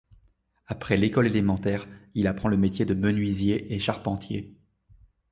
Après l'école élémentaire, il apprend le métier de menuisier et charpentier.